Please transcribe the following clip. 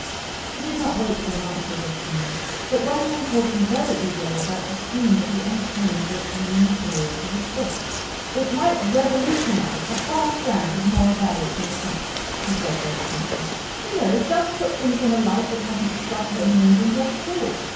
He did not wait for an answer this time, but went on talking very eagerly about the scheme that he entertained for obtaining material for his book. "It might revolutionize the whole standard of moral values in the country," he said very simply. "You know, just put things in a light that hasn't struck home in England yet at all.